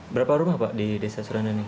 berapa rumah pak di desa suranda ini